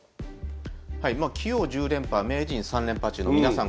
棋王１０連覇名人３連覇中の皆さん